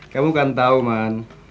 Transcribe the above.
kamu kan tahu man